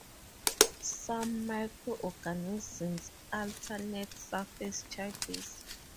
Some microorganisms alter net surface charges.